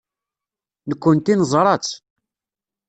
Nekkenti neẓra-tt.